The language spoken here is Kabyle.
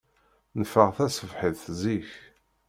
Neffeɣ taṣebḥit zik.